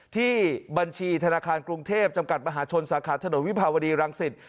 ที่บัญชีธนาคารกรุงเทพจำกัดมหาชนสาขาถนนวิภาวดีรังสิต